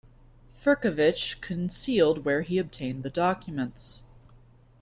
Firkovich concealed where he obtained the documents.